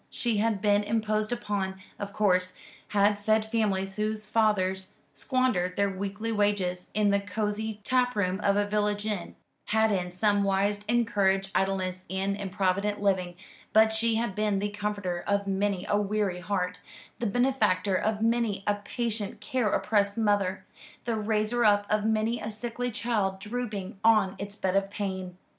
She had been imposed upon, of course; had fed families whose fathers squandered their weekly wages in the cosy taproom of a village inn; had in some wise encouraged idleness and improvident living; but she had been the comforter of many a weary heart, the benefactor of many a patient care oppressed mother, the raiser up of many a sickly child drooping on its bed of pain.